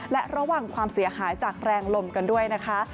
และระวังความเสียหายจากแรงลมกันด้วยนะคะ